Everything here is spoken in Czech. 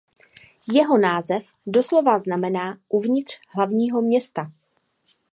Jeho název doslova znamená „uvnitř hlavního města“.